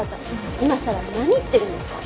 今さら何言ってるんですか？